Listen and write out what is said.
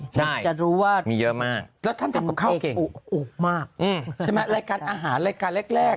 ใช่มีเยอะมากเป็นเอกโอ๊คมากใช่ไหมรายการอาหารรายการแรก